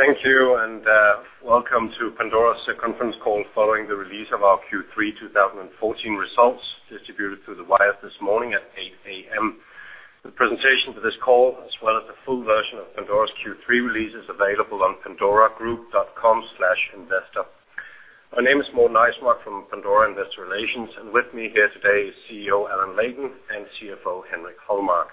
Thank you, and, welcome to Pandora's conference call following the release of our Q3 2014 results, distributed through the wire this morning at 8:00 A.M. The presentation for this call, as well as the full version of Pandora's Q3 release, is available on pandoragroup.com/investor. My name is Morten Eismark from Pandora Investor Relations, and with me here today is CEO, Allan Leighton, and CFO, Henrik Holmark.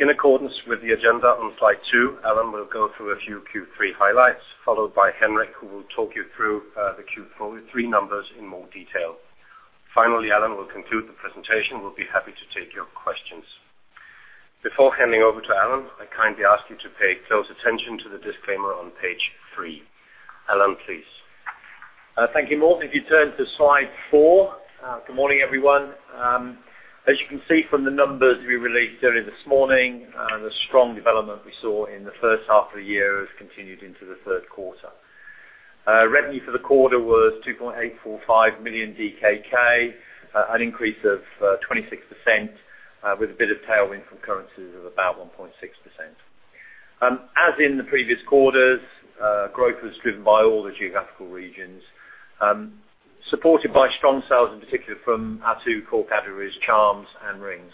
In accordance with the agenda on slide 2, Allan will go through a few Q3 highlights, followed by Henrik, who will talk you through the Q3 numbers in more detail. Finally, Allan will conclude the presentation. We'll be happy to take your questions. Before handing over to Allan, I kindly ask you to pay close attention to the disclaimer on page 3. Allan, please. Thank you, Morten. If you turn to slide four. Good morning, everyone. As you can see from the numbers we released earlier this morning, the strong development we saw in the first half of the year has continued into the third quarter. Revenue for the quarter was 2,845 million DKK, an increase of 26%, with a bit of tailwind from currencies of about 1.6%. As in the previous quarters, growth was driven by all the geographical regions, supported by strong sales, in particular, from our two core categories, charms and rings.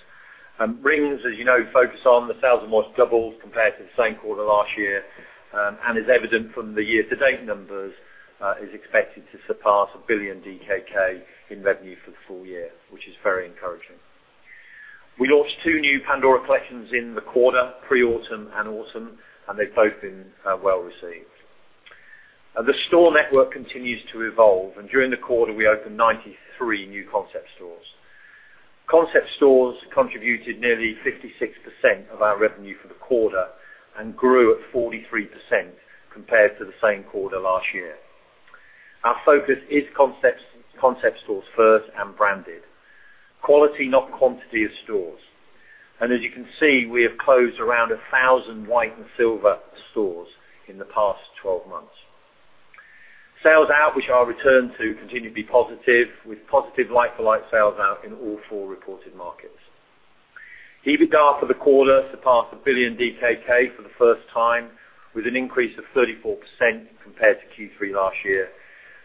Rings, as you know, focus on, the sales almost doubled compared to the same quarter last year. And as evident from the year-to-date numbers, is expected to surpass 1 billion DKK in revenue for the full year, which is very encouraging. We launched two new Pandora collections in the quarter, Pre-Autumn and Autumn, and they've both been well received. The store network continues to evolve, and during the quarter, we opened 93 Concept stores contributed nearly 56% of our revenue for the quarter and grew at 43% compared to the same quarter last year. Our focus is Concept stores first and branded. Quality, not quantity of stores. And as you can see, we have closed around 1,000 White and Silver stores in the past twelve months. sell-out, which I'll return to, continue to be positive, with positive like-for-like sell-out in all four reported markets. EBITDA for the quarter surpassed 1 billion DKK for the first time, with an increase of 34% compared to Q3 last year.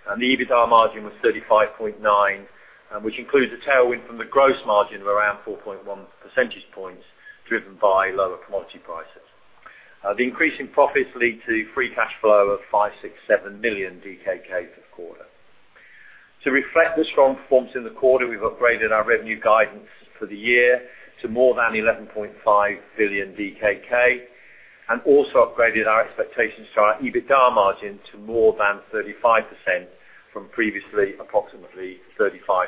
The EBITDA margin was 35.9%, which includes a tailwind from the gross margin of around 4.1 percentage points, driven by lower commodity prices. The increase in profits lead to free cash flow of 567 million DKK for the quarter. To reflect the strong performance in the quarter, we've upgraded our revenue guidance for the year to more than 11.5 billion DKK, and also upgraded our expectations to our EBITDA margin to more than 35% from previously, approximately 35%.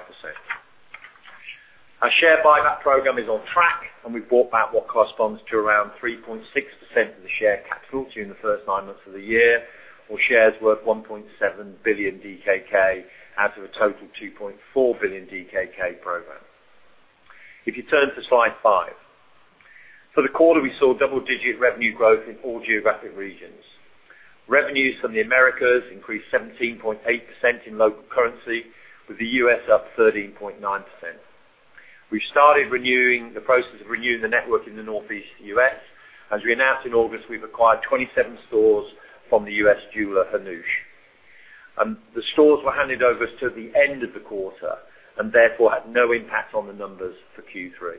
Our share buyback program is on track, and we've bought back what corresponds to around 3.6% of the share capital during the first nine months of the year, or shares worth 1.7 billion DKK, out of a total 2.4 billion DKK program. If you turn to slide 5. For the quarter, we saw double-digit revenue growth in all geographic regions. Revenues from the Americas increased 17.8% in local currency, with the US up 13.9%. We started renewing, the process of renewing the network in the Northeast US. As we announced in August, we've acquired 27 stores from the US jeweler, Hannoush. The stores were handed over to the end of the quarter, and therefore, had no impact on the numbers for Q3.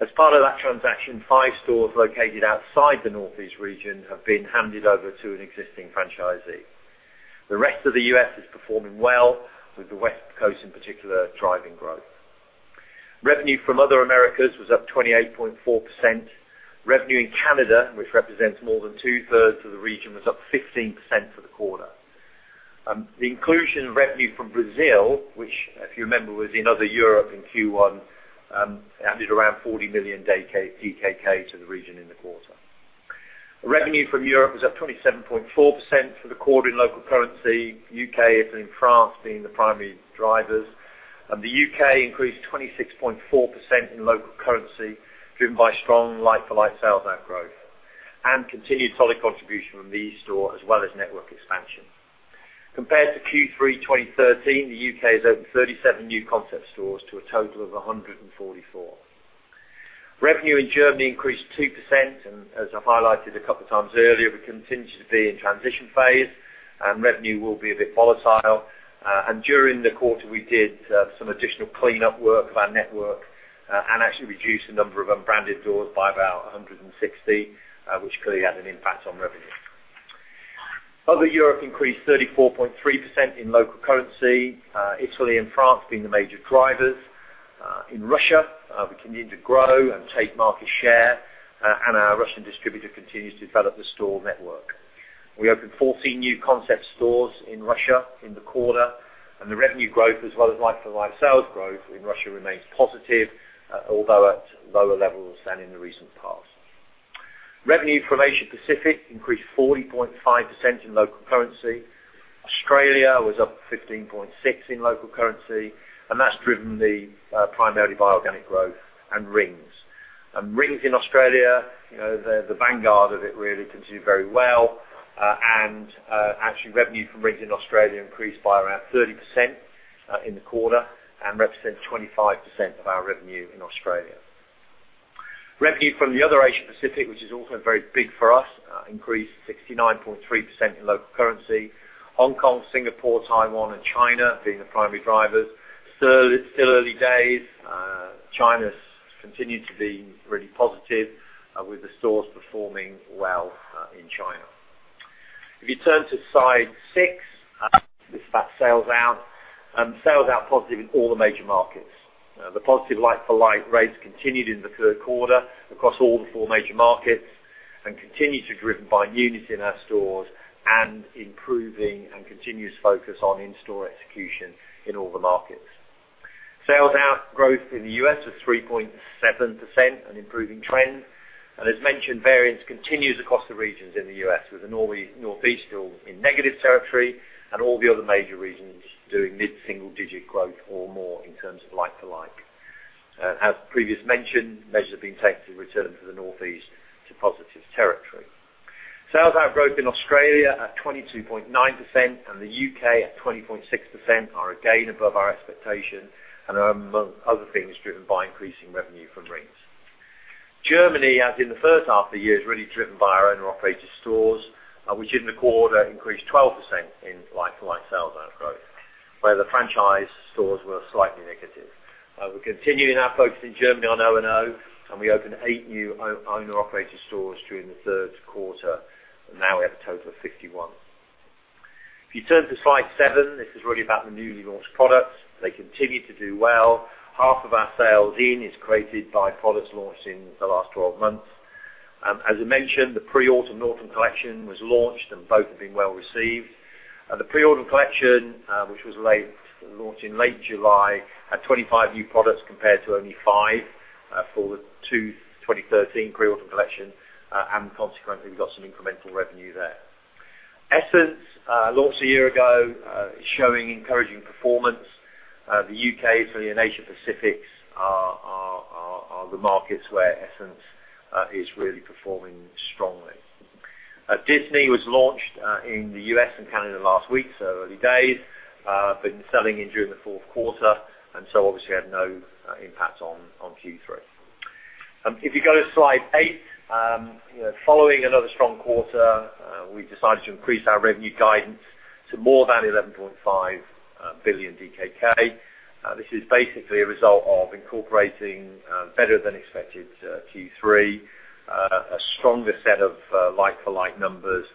As part of that transaction, five stores located outside the Northeast region have been handed over to an existing franchisee. The rest of the U.S. is performing well, with the West Coast, in particular, driving growth. Revenue from Other Americas was up 28.4%. Revenue in Canada, which represents more than two-thirds of the region, was up 15% for the quarter. The inclusion of revenue from Brazil, which, if you remember, was in Other Europe in Q1, added around 40 million DKK to the region in the quarter. Revenue from Europe was up 27.4% for the quarter in local currency, U.K. and France being the primary drivers. The U.K. increased 26.4% in local currency, driven by strong like-for-like sell-out growth, and continued solid contribution from the store, as well as network expansion. Compared to Q3 2013, the UK has opened 37 Concept stores to a total of 144. Revenue in Germany increased 2%, and as I highlighted a couple of times earlier, we continue to be in transition phase, and revenue will be a bit volatile. And during the quarter, we did some additional cleanup work of our network, and actually reduced the number of unbranded stores by about 160, which clearly had an impact on revenue. Other Europe increased 34.3% in local currency, Italy and France being the major drivers. In Russia, we continue to grow and take market share, and our Russian distributor continues to develop the store network. We opened 14 Concept stores in Russia in the quarter, and the revenue growth, as well as like-for-like sales growth in Russia, remains positive, although at lower levels than in the recent past. Revenue from Asia Pacific increased 40.5% in local currency. Australia was up 15.6% in local currency, and that's driven primarily by organic growth and rings. And rings in Australia, you know, the vanguard of it really continued very well. Actually, revenue from rings in Australia increased by around 30%, in the quarter, and represents 25% of our revenue in Australia. Revenue from the Other Asia Pacific, which is also very big for us, increased 69.3% in local currency. Hong Kong, Singapore, Taiwan, and China being the primary drivers. So it's still early days. China's continued to be really positive, with the stores performing well in China. If you turn to slide 6, it's about sales out. Sales out positive in all the major markets. The positive like-for-like rates continued in the third quarter across all the four major markets, and continued to be driven by newness in our stores and improving and continuous focus on in-store execution in all the markets. Sales out growth in the U.S. was 3.7%, an improving trend. And as mentioned, variance continues across the regions in the U.S., with the Northeast still in negative territory and all the other major regions doing mid-single digit growth or more in terms of like-for-like. As previously mentioned, measures are being taken to return the Northeast to positive territory. sell-out growth in Australia at 22.9% and the UK at 20.6% are again above our expectation and are among other things, driven by increasing revenue from rings. Germany, as in the first half of the year, is really driven by our owned and operated stores, which in the quarter increased 12% in like-for-like sell-out growth, where the franchise stores were slightly negative. We're continuing our focus in Germany on O&O, and we opened 8 new owned and operated stores during the third quarter. Now we have a total of 51. If you turn to slide 7, this is really about the newly launched products. They continue to do well. Half of our sell-in is created by products launched in the last 12 months. As I mentioned, the Pre-Autumn and Autumn collection was launched, and both have been well received. The Pre-Autumn collection, which was late, launched in late July, had 25 new products, compared to only 5 for the 2013 Pre-Autumn collection, and consequently, we got some incremental revenue there. Essence, launched a year ago, is showing encouraging performance. The UK, Italy, and Asia Pacific are the markets where Essence is really performing strongly. Disney was launched in the US and Canada last week, so early days, but selling in during the fourth quarter, and so obviously had no impact on Q3. If you go to slide 8, you know, following another strong quarter, we've decided to increase our revenue guidance to more than 11.5 billion DKK. This is basically a result of incorporating better than expected Q3, a stronger set of like-for-like numbers,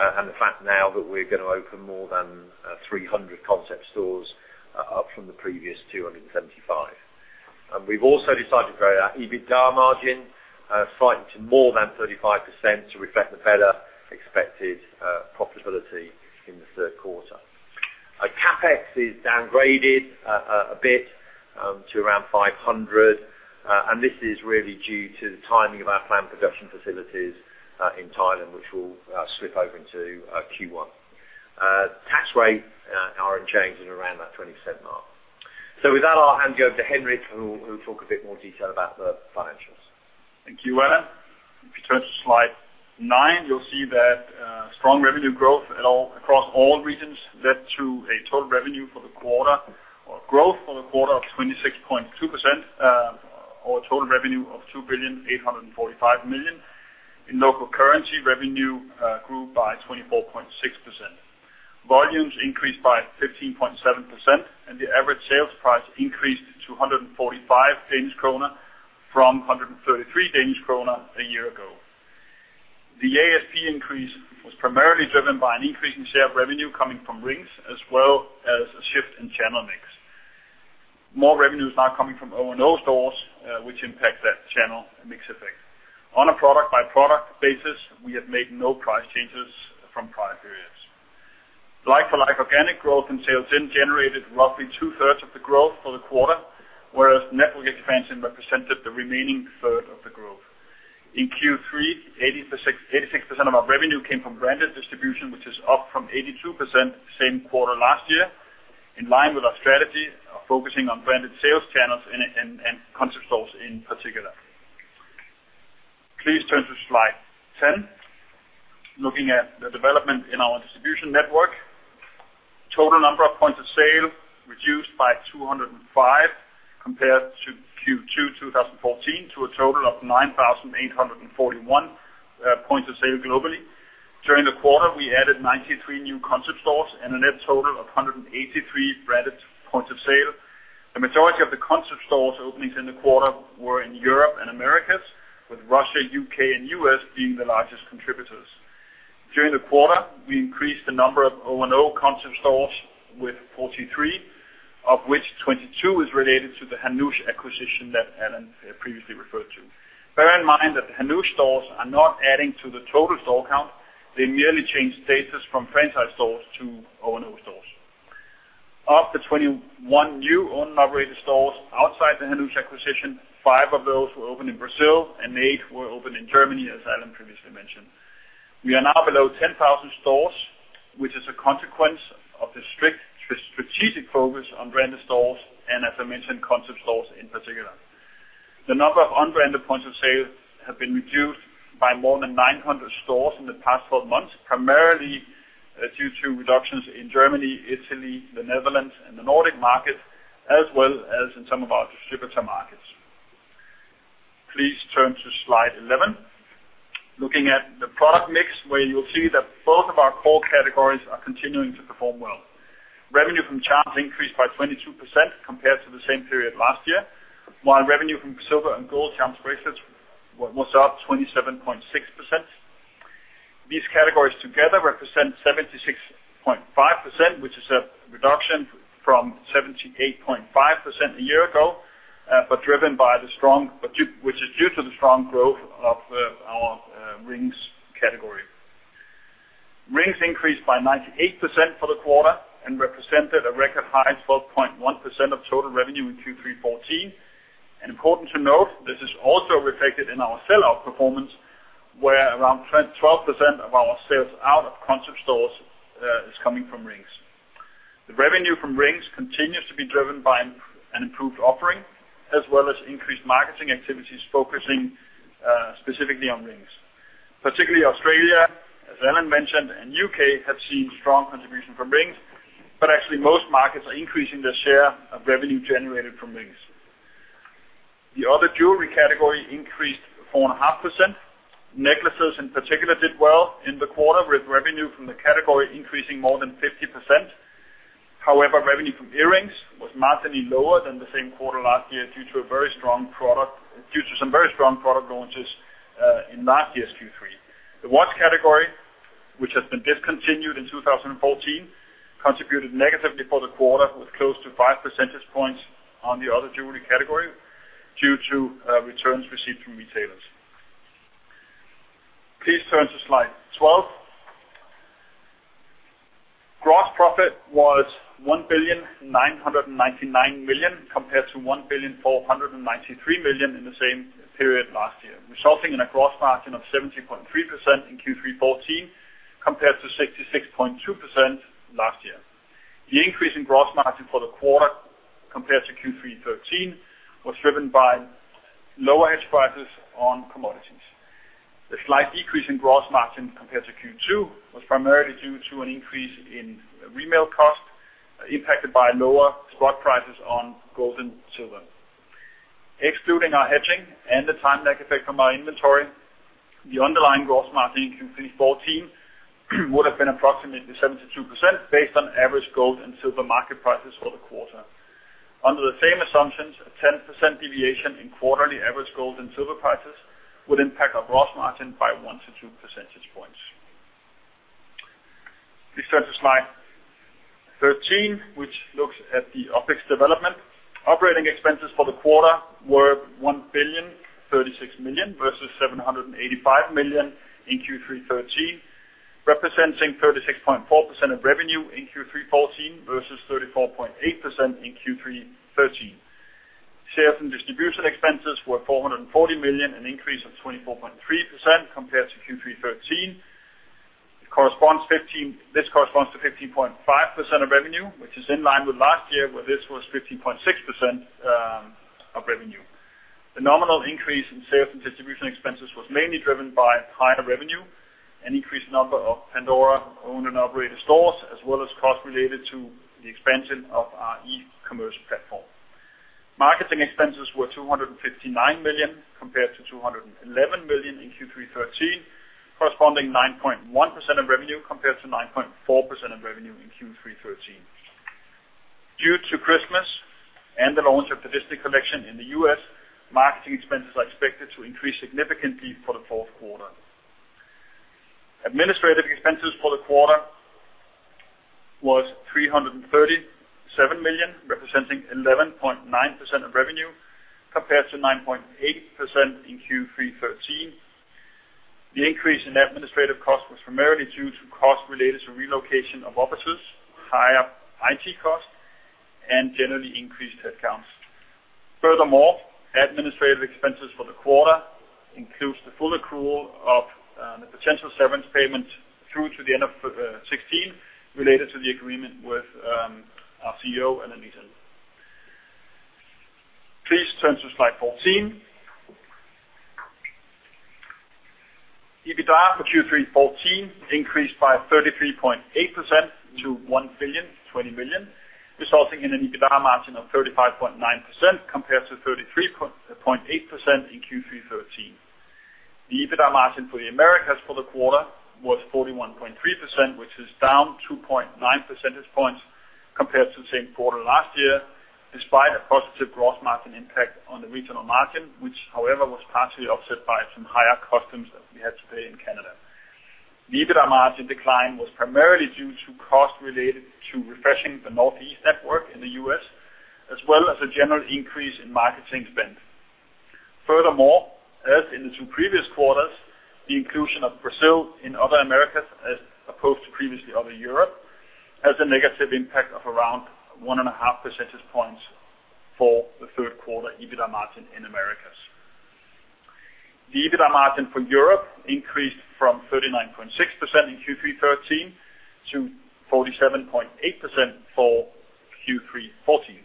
and the fact now that we're going to open more than Concept stores, up from the previous 275. We've also decided to grow our EBITDA margin slightly to more than 35% to reflect the better expected profitability in the third quarter. Our CapEx is downgraded a bit to around 500 million, and this is really due to the timing of our planned production facilities in Thailand, which will slip over into Q1. Tax rate are unchanged at around that 20% mark. So with that, I'll hand you over to Henrik, who will talk a bit more detail about the financials. Thank you, Allan. If you turn to slide 9, you'll see that, strong revenue growth across all regions led to a total revenue for the quarter or growth for the quarter of 26.2%, or total revenue of 2,845 million. In local currency, revenue grew by 24.6%. Volumes increased by 15.7%, and the average sales price increased to 145 Danish kroner from 133 Danish kroner a year ago. The ASP increase was primarily driven by an increase in share of revenue coming from rings, as well as a shift in channel mix. More revenue is now coming from O&O stores, which impact that channel mix effect. On a product-by-product basis, we have made no price changes from prior periods. Like-for-like organic growth in sell-in generated roughly two-thirds of the growth for the quarter, whereas network expansion represented the remaining third of the growth. In Q3, 86% of our revenue came from branded distribution, which is up from 82% same quarter last year, in line with our strategy of focusing on branded sales channels Concept stores in particular. Please turn to slide 10. Looking at the development in our distribution network, total number of points of sale reduced by 205 compared to Q2 2014, to a total of 9,841 points of sale globally. During the quarter, we added 93 Concept stores and a net total of 183 branded points of sale. The majority of Concept stores openings in the quarter were in Europe and Americas, with Russia, U.K., and U.S. being the largest contributors. During the quarter, we increased the number of Concept stores with 43, of which 22 is related to the Hannoush acquisition that Allan previously referred to. Bear in mind that the Hannoush stores are not adding to the total store count. They merely change status from franchise stores to O&O stores. Of the 21 new owned and operated stores outside the Hannoush acquisition, five of those were opened in Brazil and eight were opened in Germany, as Allan previously mentioned. We are now below 10,000 stores, which is a consequence of the strict strategic focus on branded stores, and as I Concept stores in particular. The number of unbranded points of sale have been reduced by more than 900 stores in the past 12 months, primarily, due to reductions in Germany, Italy, the Netherlands, and the Nordic market, as well as in some of our distributor markets. Please turn to slide 11. Looking at the product mix, where you'll see that both of our core categories are continuing to perform well. Revenue from charms increased by 22% compared to the same period last year, while revenue from silver and gold charms bracelets was up 27.6%. These categories together represent 76.5%, which is a reduction from 78.5% a year ago, but which is due to the strong growth of our rings category. Rings increased by 98% for the quarter and represented a record high of 12.1% of total revenue in Q3 2014. And important to note, this is also reflected in our sell-out performance, where around 12% of our sales out Concept stores is coming from rings. The revenue from rings continues to be driven by an improved offering, as well as increased marketing activities, focusing specifically on rings. Particularly Australia, as Alan mentioned, and UK, have seen strong contribution from rings, but actually, most markets are increasing their share of revenue generated from rings. The other jewelry category increased 4.5%. Necklaces, in particular, did well in the quarter, with revenue from the category increasing more than 50%. However, revenue from earrings was markedly lower than the same quarter last year, due to some very strong product launches in last year's Q3. The watch category, which has been discontinued in 2014, contributed negatively for the quarter, with close to five percentage points on the other jewelry category, due to returns received from retailers. Please turn to slide 12. Gross profit was 1,999 million, compared to 1,493 million in the same period last year, resulting in a gross margin of 70.3% in Q3 2014, compared to 66.2% last year. The increase in gross margin for the quarter, compared to Q3 2013, was driven by lower hedge prices on commodities. The slight decrease in gross margin, compared to Q2, was primarily due to an increase in retail cost, impacted by lower spot prices on gold and silver. Excluding our hedging and the time lag effect on our inventory, the underlying gross margin in Q3 2014 would have been approximately 72%, based on average gold and silver market prices for the quarter. Under the same assumptions, a 10% deviation in quarterly average gold and silver prices would impact our gross margin by 1-2 percentage points. Please turn to slide 13, which looks at the OpEx development. Operating expenses for the quarter were 1,036 million versus 785 million in Q3 2013, representing 36.4% of revenue in Q3 2014 versus 34.8% in Q3 2013. Sales and distribution expenses were 440 million, an increase of 24.3% compared to Q3 2013. This corresponds to 15.5% of revenue, which is in line with last year, where this was 15.6% of revenue. The nominal increase in sales and distribution expenses was mainly driven by higher revenue and increased number of Pandora owned and operated stores, as well as costs related to the expansion of our e-commerce platform. Marketing expenses were 259 million, compared to 211 million in Q3 2013, corresponding to 9.1% of revenue, compared to 9.4% of revenue in Q3 2013. Due to Christmas and the launch of the Disney collection in the U.S., marketing expenses are expected to increase significantly for the fourth quarter. Administrative expenses for the quarter was 337 million, representing 11.9% of revenue, compared to 9.8% in Q3 2013. The increase in administrative costs was primarily due to costs related to relocation of offices, higher IT costs, and generally increased headcounts. Furthermore, administrative expenses for the quarter includes the full accrual of the potential severance payment through to the end of 2016, related to the agreement with our CEO, Allan Leighton. Please turn to slide 14. EBITDA for Q3 2014 increased by 33.8% to 1,020 million, resulting in an EBITDA margin of 35.9% compared to 33.8% in Q3 2013. The EBITDA margin for the Americas for the quarter was 41.3%, which is down 2.9 percentage points compared to the same quarter last year, despite a positive gross margin impact on the regional margin, which, however, was partially offset by some higher customs that we had to pay in Canada. The EBITDA margin decline was primarily due to costs related to refreshing the Northeast network in the US, as well as a general increase in marketing spend. Furthermore, as in the two previous quarters, the inclusion of Brazil in Other Americas, as opposed to previously Other Europe, has a negative impact of around 1.5 percentage points for the third quarter EBITDA margin in Americas. The EBITDA margin for Europe increased from 39.6% in Q3 2013, to 47.8% for Q3 2014.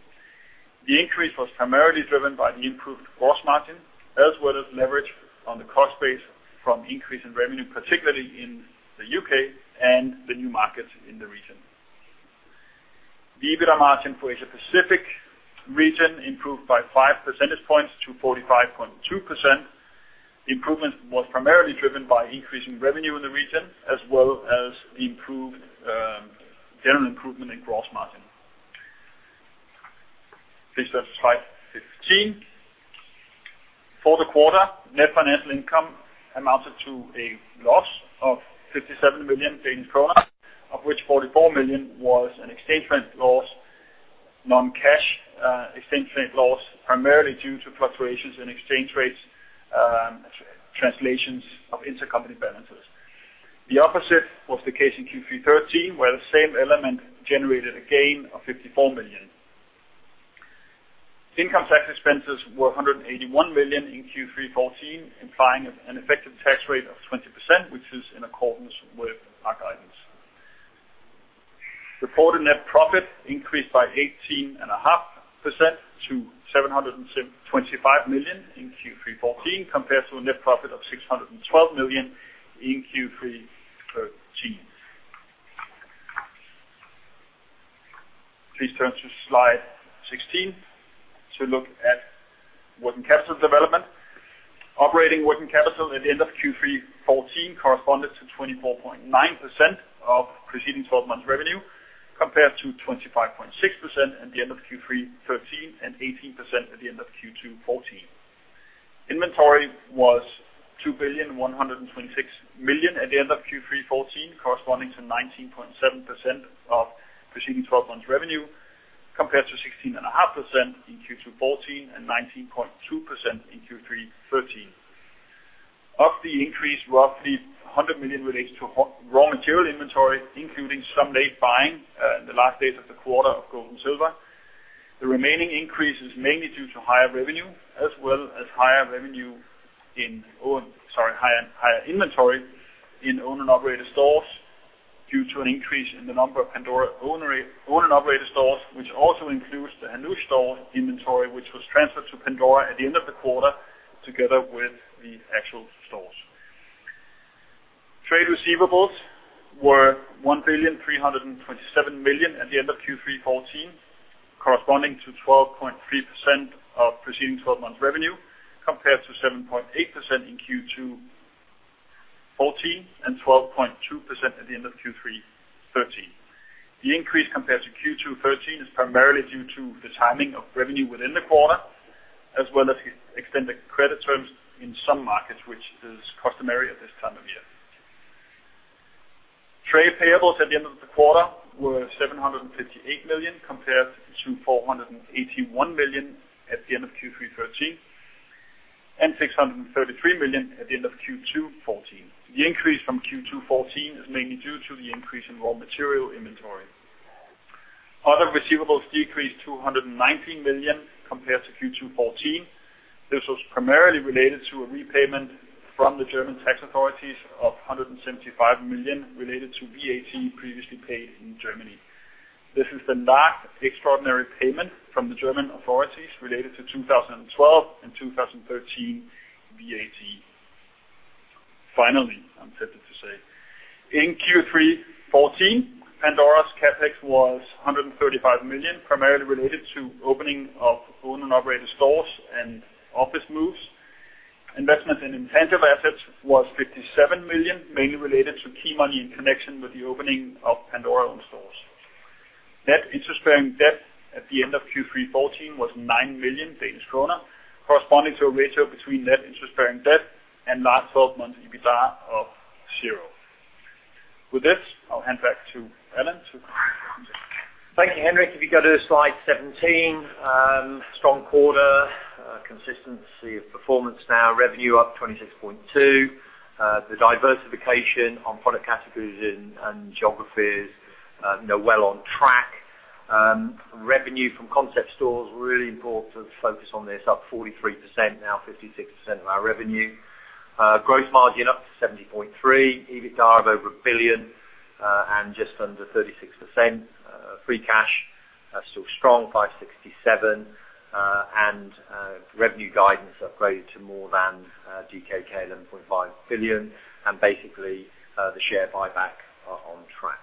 The increase was primarily driven by the improved gross margin, as well as leverage on the cost base from increase in revenue, particularly in the UK and the new markets in the region. The EBITDA margin for Asia Pacific region improved by 5 percentage points to 45.2%. Improvement was primarily driven by increasing revenue in the region, as well as the improved general improvement in gross margin. Please go to slide 15. For the quarter, net financial income amounted to a loss of 57 million Danish kroner, of which 44 million was an exchange rate loss, non-cash, exchange rate loss, primarily due to fluctuations in exchange rates, translations of intercompany balances. The opposite was the case in Q3 2013, where the same element generated a gain of 54 million. Income tax expenses were 181 million in Q3 2014, implying an effective tax rate of 20%, which is in accordance with our guidance. Reported net profit increased by 18.5% to 725 million in Q3 2014, compared to a net profit of 612 million in Q3 2013. Please turn to slide 16 to look at working capital development. Operating working capital at the end of Q3 2014 corresponded to 24.9% of preceding twelve months revenue, compared to 25.6% at the end of Q3 2013, and 18% at the end of Q2 2014. Inventory was 2,126 million at the end of Q3 2014, corresponding to 19.7% of preceding twelve months revenue, compared to 16.5% in Q2 2014, and 19.2% in Q3 2013. Of the increase, roughly 100 million relates to raw material inventory, including some late buying in the last days of the quarter of gold and silver. The remaining increase is mainly due to higher revenue, as well as higher revenue in own... Sorry, higher, higher inventory in owned and operated stores, due to an increase in the number of Pandora-owned and operated stores, which also includes the Hannoush store inventory, which was transferred to Pandora at the end of the quarter, together with the actual stores. Trade receivables were 1,327 million at the end of Q3 2014, corresponding to 12.3% of preceding twelve months revenue, compared to 7.8% in Q2 2014, and 12.2% at the end of Q3 2013. The increase compared to Q2 2013 is primarily due to the timing of revenue within the quarter, as well as extended credit terms in some markets, which is customary at this time of year. Trade payables at the end of the quarter were 758 million, compared to 481 million at the end of Q3 2013, and 633 million at the end of Q2 2014. The increase from Q2 2014 is mainly due to the increase in raw material inventory. Other receivables decreased to 119 million, compared to Q2 2014. This was primarily related to a repayment from the German tax authorities of 175 million, related to VAT previously paid in Germany. This is the last extraordinary payment from the German authorities related to 2012 and 2013 VAT. Finally, I'm tempted to say. In Q3 2014, Pandora's CapEx was 135 million, primarily related to opening of owned and operated stores and office moves. Investment in intangible assets was 57 million, mainly related to key money in connection with the opening of Pandora-owned stores. Net interest-bearing debt at the end of Q3 2014 was 9 million Danish kroner, corresponding to a ratio between net interest-bearing debt and last 12-month EBITDA of 0. With this, I'll hand back to Allan to- Thank you, Henrik. If you go to slide 17, strong quarter, consistency of performance now, revenue up 26.2%. The diversification on product categories and geographies now well on track. Revenue Concept stores, really important to focus on this, up 43%, now 56% of our revenue. Gross margin up to 70.3%, EBITDA of over 1 billion and just under 36%. Free cash still strong, 567 million. Revenue guidance upgraded to more than DKK 11.5 billion. Basically, the share buyback are on track.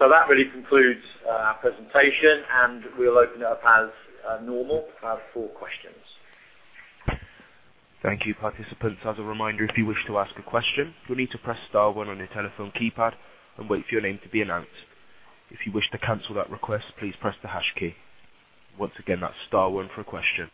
That really concludes our presentation, and we'll open it up as normal for questions. Thank you, participants. As a reminder, if you wish to ask a question, you'll need to press star one on your telephone keypad and wait for your name to be announced. If you wish to cancel that request, please press the hash key. Once again, that's star one for a question.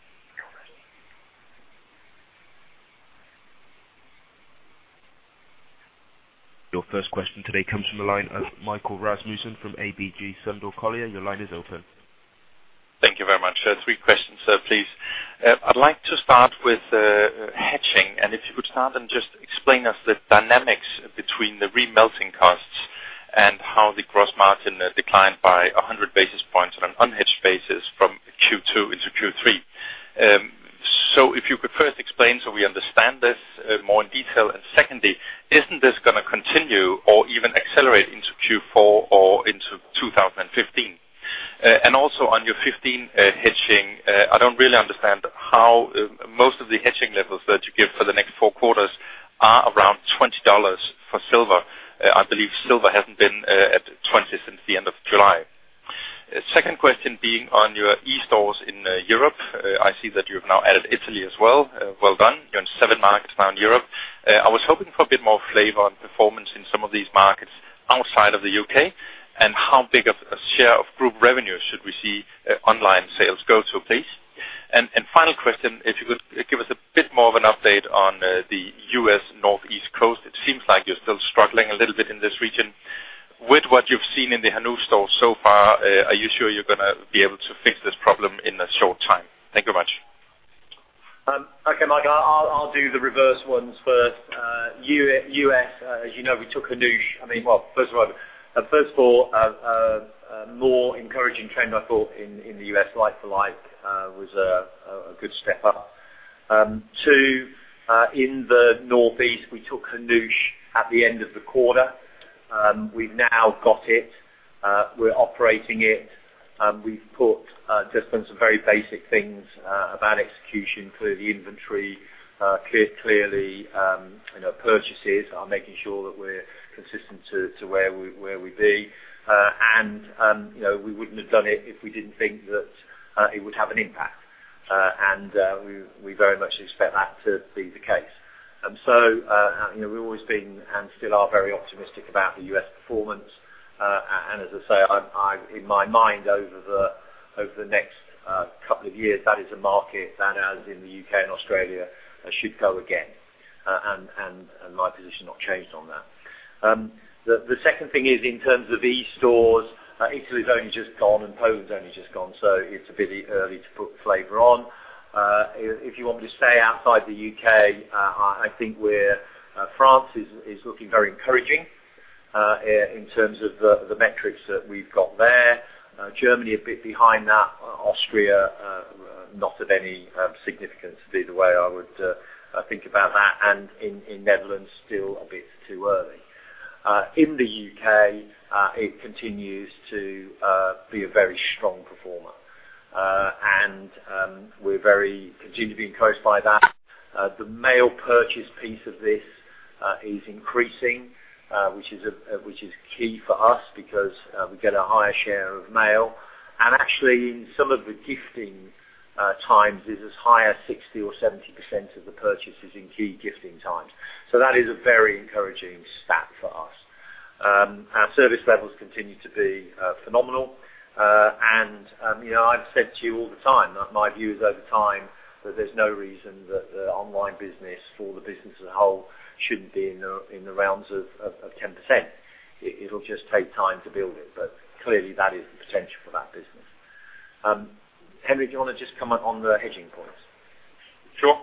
Your first question today comes from the line of Michael Rasmussen from ABG Sundal Collier. Your line is open. Thank you very much. Three questions, sir, please. I'd like to start with hedging, and if you could start and just explain us the dynamics between the re-melting costs and how the gross margin declined by 100 basis points on an unhedged basis from Q2 into Q3. So if you could first explain so we understand this more in detail, and secondly, isn't this gonna continue or even accelerate into Q4 or into 2015? And also on your 2015 hedging, I don't really understand how most of the hedging levels that you give for the next four quarters are around $20 for silver. I believe silver hasn't been at $20 since the end of July. Second question being on your e-stores in Europe. I see that you've now added Italy as well. Well done. You're in seven markets now in Europe. I was hoping for a bit more flavor on performance in some of these markets outside of the U.K., and how big of a share of group revenue should we see online sales go to, please? And final question, if you could give us a bit more of an update on the U.S. Northeast Coast. It seems like you're still struggling a little bit in this region. With what you've seen in the Hannoush store so far, are you sure you're gonna be able to fix this problem in a short time? Thank you much. Okay, Mike, I'll do the reverse ones first. US, as you know, we took Hannoush, I mean, well, first of all, a more encouraging trend I thought in the US like-for-like was a good step up. Too, in the Northeast, we took Hannoush at the end of the quarter. We've now got it, we're operating it, and we've just done some very basic things about execution, clearing inventory, clearly, you know, purchases are making sure that we're consistent to where we be. And, you know, we wouldn't have done it if we didn't think that it would have an impact. And, we very much expect that to be the case. And so, you know, we've always been, and still are, very optimistic about the US performance. And as I say, I in my mind, over the next couple of years, that is a market that, as in the UK and Australia, should go again. And my position not changed on that. The second thing is in terms of e-stores, Italy's only just gone and Poland's only just gone, so it's a bit early to put flavor on. If you want me to stay outside the UK, I think we're, France is looking very encouraging, in terms of the metrics that we've got there. Germany, a bit behind that. Austria, not of any significance either way. I would think about that, and in the Netherlands, still a bit too early. In the UK, it continues to be a very strong performer. And we continue to be very encouraged by that. The male purchase piece of this is increasing, which is key for us because we get a higher share of male. And actually, in some of the gifting times, it is as high as 60% or 70% of the purchases in key gifting times. So that is a very encouraging stat for us. Our service levels continue to be phenomenal. You know, I've said to you all the time that my view is over time that there's no reason that the online business or the business as a whole shouldn't be in the realms of 10%. It'll just take time to build it, but clearly that is the potential for that business. Henrik, do you wanna just comment on the hedging points? Sure.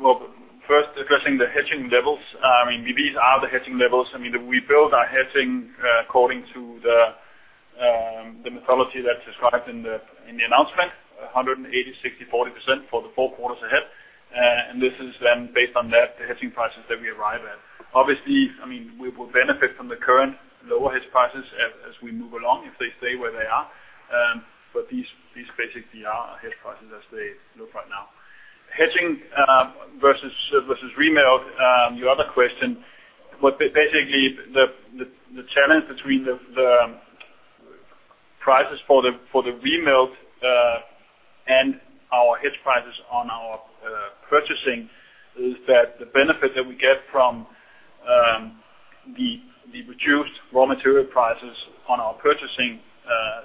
Well, first, addressing the hedging levels, I mean, these are the hedging levels. I mean, we build our hedging according to the methodology that's described in the announcement, 180, 60, 40% for the four quarters ahead. And this is then based on that, the hedging prices that we arrive at. Obviously, I mean, we will benefit from the current lower hedge prices as we move along, if they stay where they are. But these basically are our hedge prices as they look right now. Hedging versus remelt, your other question, what basically, the challenge between the prices for the remelt and our hedge prices on our purchasing is that the benefit that we get from the reduced raw material prices on our purchasing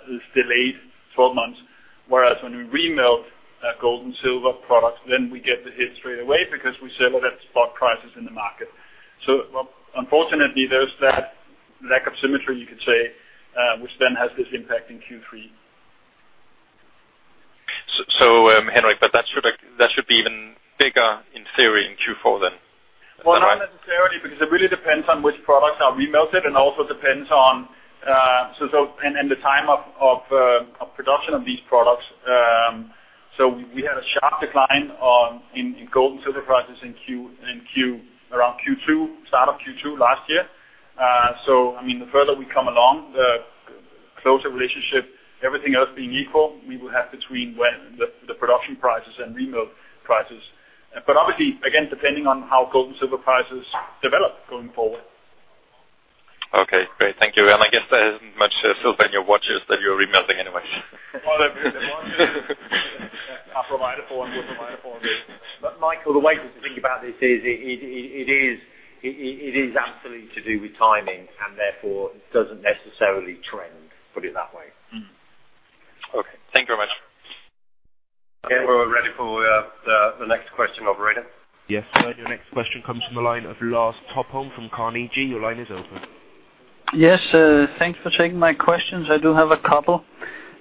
is delayed 12 months, whereas when we remelt gold and silver products, then we get the hit straight away because we sell it at spot prices in the market. So, well, unfortunately, there's that lack of symmetry, you could say, which then has this impact in Q3. So, Henrik, but that should be even bigger in theory in Q4 then? Well, not necessarily, because it really depends on which products are remelted and also depends on the time of production of these products. So we had a sharp decline in gold and silver prices around Q2, start of Q2 last year. So I mean, the further we come along, the closer relationship, everything else being equal, we will have between the production prices and remelt prices. But obviously, again, depending on how gold and silver prices develop going forward. Okay, great. Thank you. And I guess there isn't much silver in your watches that you're remelting anyways. Well, there is one. I provide it for and we provide it for you. But Michael, the way to think about this is it is absolutely to do with timing, and therefore it doesn't necessarily trend, put it that way. Mm-hmm. Okay. Thank you very much. Okay, we're ready for the next question, operator. Yes, sir. Your next question comes from the line of Lars Topholm from Carnegie. Your line is open. Yes, thanks for taking my questions. I do have a couple.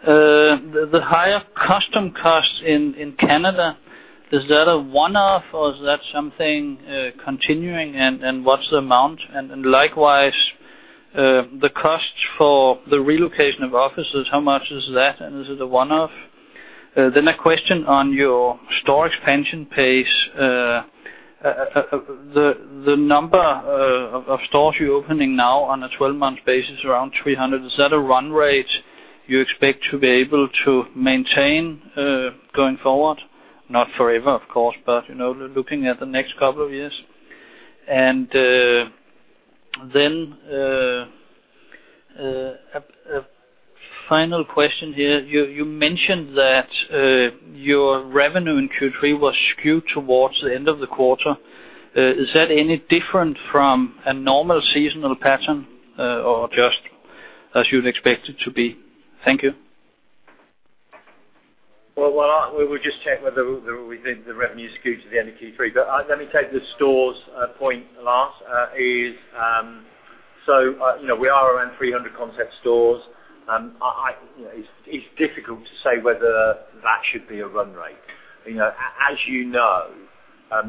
The higher custom costs in Canada, is that a one-off or is that something continuing, and what's the amount? And likewise, the cost for the relocation of offices, how much is that? And is it a one-off? Then a question on your store expansion pace, the number of stores you're opening now on a 12-month basis, around 300, is that a run rate you expect to be able to maintain going forward? Not forever, of course, but you know, looking at the next couple of years. And then a final question here, you mentioned that your revenue in Q3 was skewed towards the end of the quarter. Is that any different from a normal seasonal pattern, or just as you'd expect it to be? Thank you. We will just check whether we think the revenue skewed to the end of Q3. But let me take the stores point last. You know, we are around Concept stores. you know, it's difficult to say whether that should be a run rate. You know, as you know,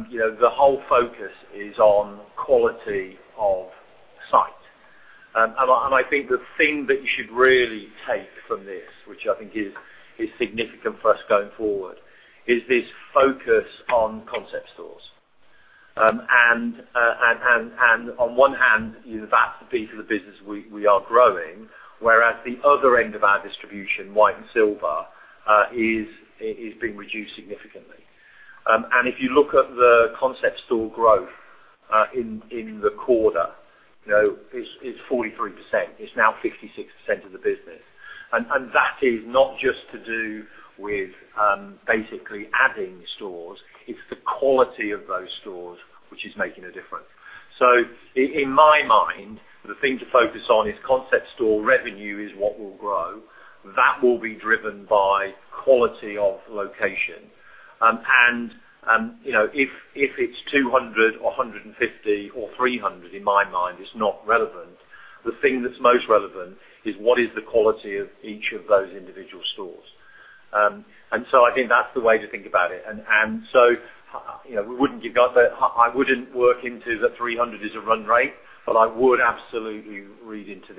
you know, the whole focus is on quality of site. And I think the thing that you should really take from this, which I think is significant for us going forward, is this focus Concept stores. and on one hand, you know, that's the piece of the business we are growing, whereas the other end of our distribution, white and silver, is being reduced significantly. And if you look at the concept store growth in the quarter, you know, it's 43%. It's now 56% of the business. And that is not just to do with basically adding stores, it's the quality of those stores which is making a difference. So in my mind, the thing to focus on is concept store revenue is what will grow. That will be driven by quality of location. And you know, if it's 200 or 150 or 300, in my mind, it's not relevant. The thing that's most relevant is what is the quality of each of those individual stores? And so I think that's the way to think about it. You know, we wouldn't give up, but I wouldn't work into the 300 is a run rate, but I would absolutely read into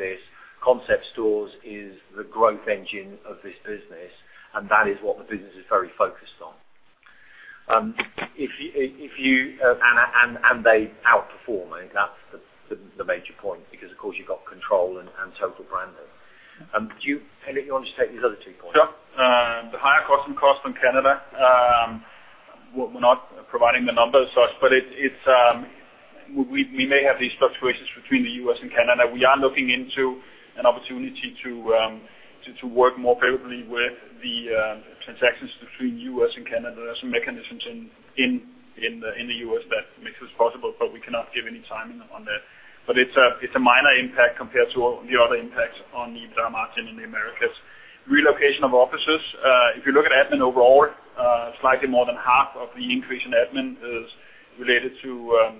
Concept stores is the growth engine of this business, and that is what the business is very focused on. They outperform, I think that's the major point, because, of course, you've got control and total branding. Do you, Henrik, want to just take these other two points? Sure. The higher customs cost in Canada, we're not providing the numbers, but it's, we may have these fluctuations between the U.S. and Canada. We are looking into an opportunity to work more favorably with the transactions between U.S. and Canada. There are some mechanisms in the U.S. that makes this possible, but we cannot give any timing on that. But it's a minor impact compared to all the other impacts on the gross margin in the Americas. Relocation of offices, if you look at admin overall, slightly more than half of the increase in admin is related to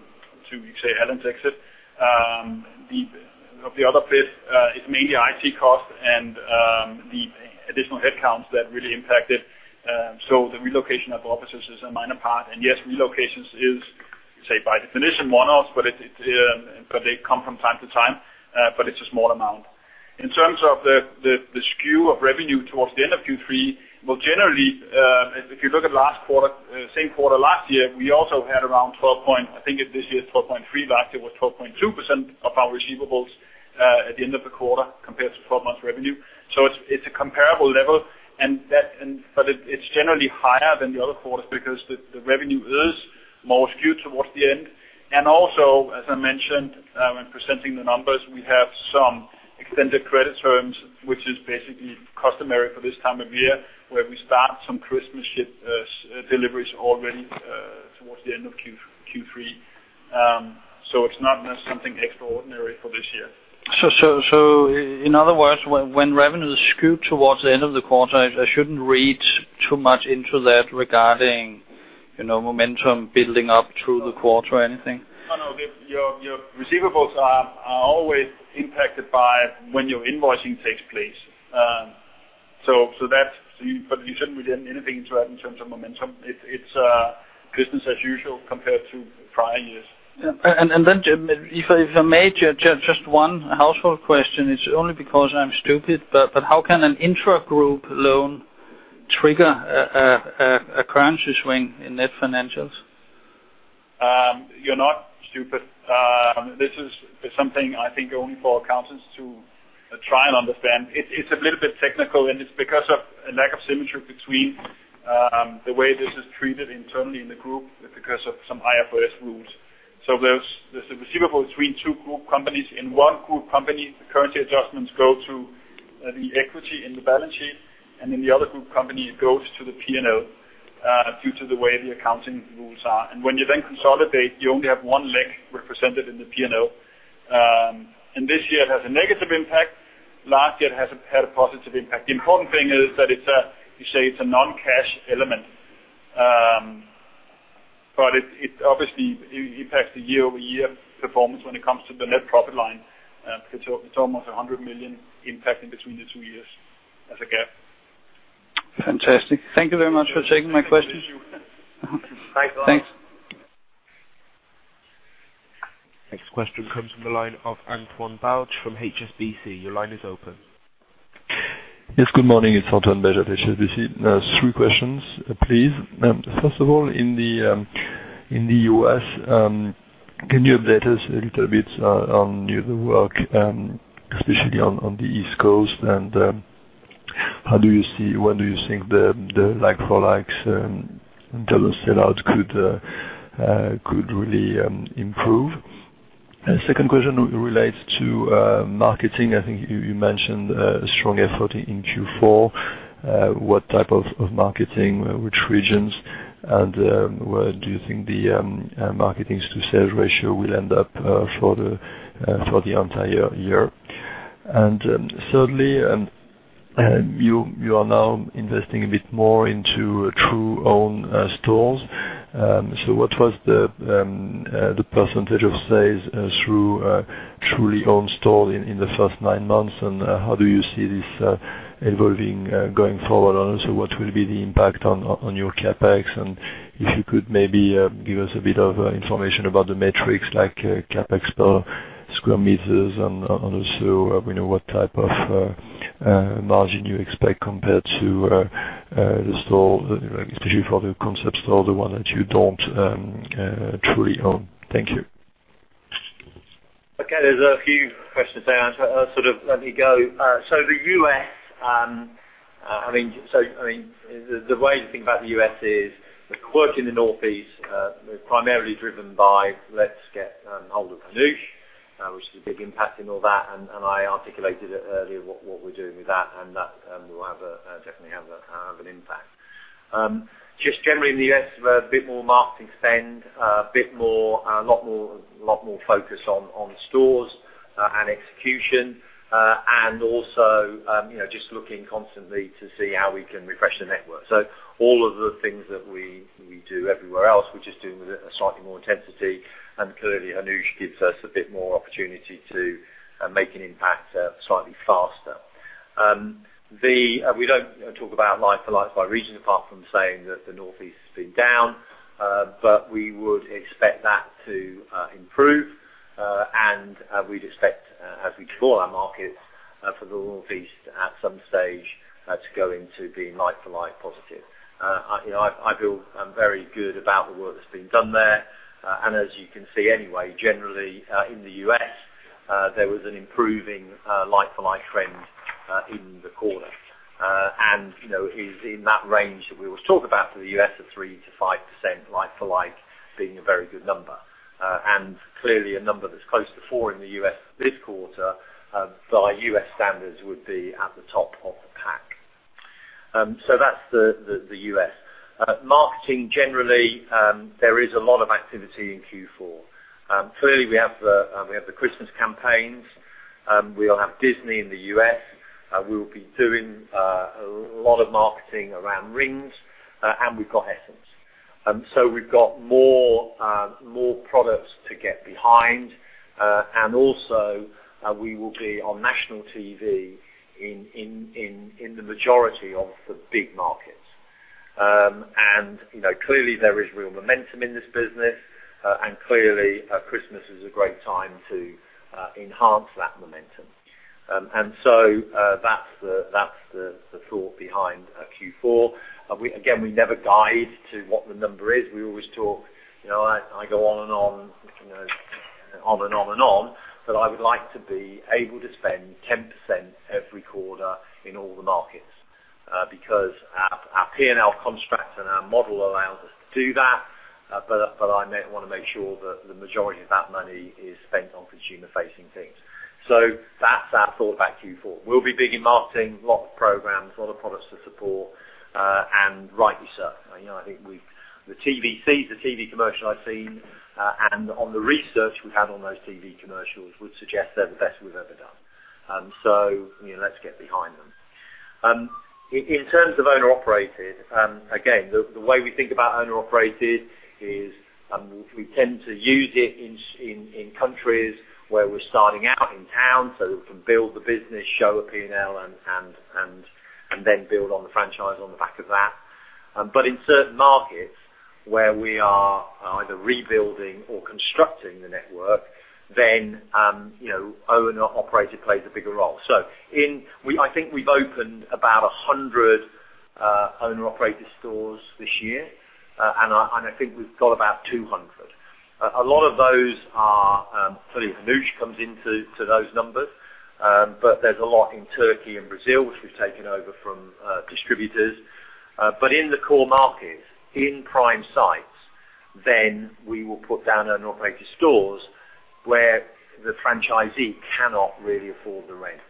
Allan's exit. The other bit, it's mainly IT costs and the additional headcounts that really impact it. So the relocation of offices is a minor part. Yes, relocations is, say, by definition, one-offs, but it, but they come from time to time, but it's a small amount. In terms of the skew of revenue towards the end of Q3, well, generally, if you look at last quarter, same quarter last year, we also had around 12.3. I think this year, it's 12.3, last year was 12.2% of our receivables at the end of the quarter, compared to 12 months revenue. So it's a comparable level, and that, and but it, it's generally higher than the other quarters because the revenue is more skewed towards the end. Also, as I mentioned, when presenting the numbers, we have some extended credit terms, which is basically customary for this time of year, where we start some Christmas shipment deliveries already towards the end of Q3. So it's not something extraordinary for this year. So in other words, when revenue is skewed towards the end of the quarter, I shouldn't read too much into that regarding, you know, momentum building up through the quarter or anything? Oh, no. Your receivables are always impacted by when your invoicing takes place. So that's... But you shouldn't read anything into that in terms of momentum. It's business as usual compared to prior years. Yeah. And then, Henrik, if I may, just one housekeeping question, it's only because I'm stupid, but how can an intragroup loan trigger a currency swing in net financials? You're not stupid. This is something I think only for accountants to try and understand. It's a little bit technical, and it's because of a lack of symmetry between the way this is treated internally in the group because of some IFRS rules. So there's a receivable between two group companies. In one group company, the currency adjustments go to the equity in the balance sheet, and in the other group company, it goes to the P&L due to the way the accounting rules are. And when you then consolidate, you only have one leg represented in the P&L. And this year, it has a negative impact. Last year, it has, had a positive impact. The important thing is that it's a, you say, it's a non-cash element.... but it obviously impacts the year-over-year performance when it comes to the net profit line. It's almost 100 million impact in between the two years as a gap. Fantastic. Thank you very much for taking my question. Thank you. Bye bye. Thanks. Next question comes from the line of Antoine Belge from HSBC. Your line is open. Yes, good morning. It's Antoine Belge at HSBC. Three questions, please. First of all, in the US, can you update us a little bit on your work, especially on the East Coast? And how do you see—when do you think the like-for-like and total sell-out could really improve? And second question relates to marketing. I think you mentioned a strong effort in Q4. What type of marketing, which regions, and where do you think the marketing to sales ratio will end up for the entire year? And thirdly, you are now investing a bit more into O&O stores. So what was the percentage of sales through truly owned store in the first nine months? And how do you see this evolving going forward? And also, what will be the impact on your CapEx? And if you could maybe give us a bit of information about the metrics, like CapEx per square meters, and also, you know, what type of margin you expect compared to the store, especially for the concept store, the one that you don't truly own. Thank you. Okay, there's a few questions there, and sort of let me go. So the U.S., I mean, the way to think about the U.S. is the quirk in the Northeast was primarily driven by let's get hold of Hannoush, which is a big impact in all that. And I articulated it earlier, what we're doing with that, and that will definitely have an impact. Just generally in the U.S., we've a bit more marketing spend, a bit more, a lot more focus on stores and execution. And also, you know, just looking constantly to see how we can refresh the network. So all of the things that we do everywhere else, we're just doing with a slightly more intensity, and clearly, Hannoush gives us a bit more opportunity to make an impact slightly faster. We don't talk about like-for-like by region, apart from saying that the Northeast has been down, but we would expect that to improve, and we'd expect, as we do all our markets, for the Northeast at some stage to go into being like-for-like positive. You know, I feel very good about the work that's been done there. And as you can see anyway, generally in the US, there was an improving like-for-like trend in the quarter. And, you know, is in that range that we always talk about for the US, a 3%-5% like-for-like, being a very good number. And clearly, a number that's close to 4% in the US this quarter, by US standards, would be at the top of the pack. So that's the US. Marketing, generally, there is a lot of activity in Q4. Clearly, we have the Christmas campaigns, we'll have Disney in the US, we will be doing a lot of marketing around rings, and we've got Essence. So we've got more products to get behind, and also, we will be on national TV in the majority of the big markets. And you know, clearly there is real momentum in this business, and clearly, Christmas is a great time to enhance that momentum. And so, that's the, that's the, the thought behind Q4. We, again, we never guidance to what the number is. We always talk, you know, I, I go on and on, you know, on and on and on, but I would like to be able to spend 10% every quarter in all the markets, because our, our P&L construct and our model allows us to do that, but, but I may wanna make sure that the majority of that money is spent on consumer-facing things. So that's our thought about Q4. We'll be big in marketing, a lot of programs, a lot of products to support, and rightly so. You know, I think we've... The TVCs, the TV commercial I've seen, and on the research we've had on those TV commercials would suggest they're the best we've ever done. So, you know, let's get behind them. In terms of owned and operated, again, the way we think about owned and operated is we tend to use it in countries where we're starting out in town, so we can build the business, show a P&L, and then build on the franchise on the back of that. But in certain markets, where we are either rebuilding or constructing the network, then you know, owned and operated plays a bigger role. I think we've opened about 100 owned and operated stores this year, and I think we've got about 200. A lot of those are clearly, Hannoush comes into those numbers, but there's a lot in Turkey and Brazil, which we've taken over from distributors. But in the core markets, in prime sites, then we will put down owned and operated stores, where the franchisee cannot really afford the rent.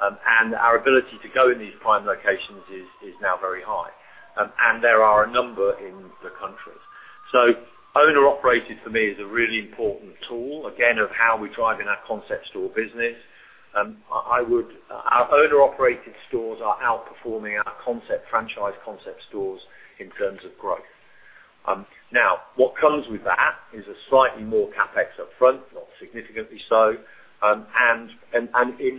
And our ability to go in these prime locations is now very high, and there are a number in the countries. So owned and operated for me is a really important tool, again, of how we're driving our concept store business. I would... Our owned and operated stores are outperforming our concept Concept stores in terms of growth. Now, what comes with that is a slightly more CapEx up front, not significantly so. In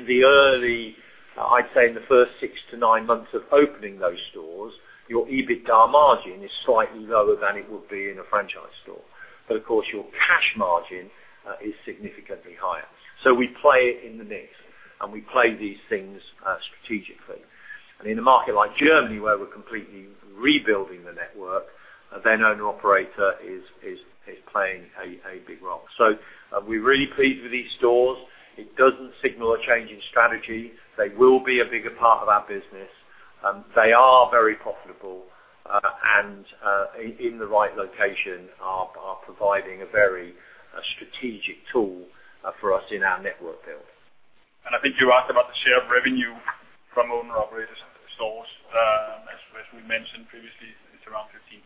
the early, I'd say in the first 6-9 months of opening those stores, your EBITDA margin is slightly lower than it would be in a franchise store. But of course, your cash margin is significantly higher. So we play it in the mix, and we play these things strategically. And in a market like Germany, where we're completely rebuilding the network, then owner-operator is playing a big role. So we're really pleased with these stores. It doesn't signal a change in strategy. They will be a bigger part of our business. They are very profitable and in the right location are providing a very strategic tool for us in our network build. I think you asked about the share of revenue from owner-operator stores. As we mentioned previously, it's around 15%.